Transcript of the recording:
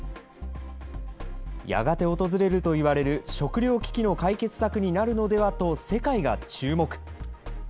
やがて訪れるといわれる食糧危機の解決策になるのではと、世界が注目。